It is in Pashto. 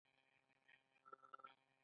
هېڅ ډول ملاتړی سیستم ورسره نه وي.